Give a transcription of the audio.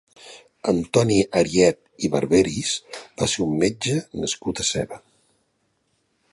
Antoni Ariet i Barberis va ser un metge nascut a Seva.